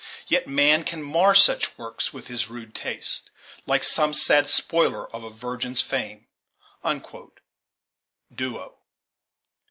Yet man can mar such works with his rude taste, Like some sad spoiler of a virgin's fame." Duo.